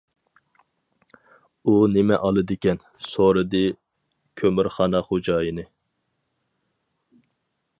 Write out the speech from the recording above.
-ئۇ نېمە ئالىدىكەن؟ -سورىدى كۆمۈرخانا خوجايىنى.